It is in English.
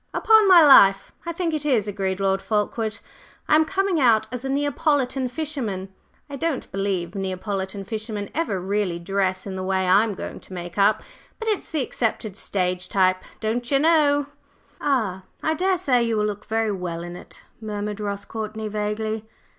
"Upon my life, I think it is!" agreed Lord Fulkeward. "I am coming out as a Neapolitan fisherman! I don't believe Neapolitan fishermen ever really dress in the way I'm going to make up, but it's the accepted stage type, don'cher know." "Ah! I daresay you will look very well in it," murmured Ross Courtney, vaguely.